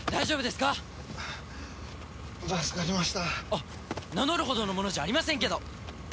あっ名乗るほどの者じゃありませんけど。